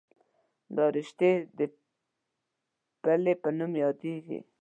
دا رشتې د پلې په نامه یادېږي.